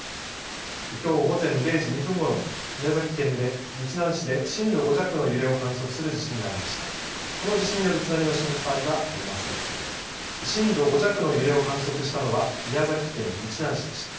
きょう、午前０時２分ごろ、宮崎県で日南市で震度５弱の揺れを観測する地震がありました。